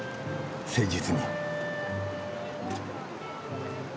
誠実に。